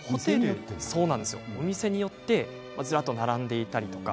お店によってずらっと並んでいたりとか。